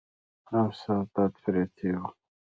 او سات پرې تېروي.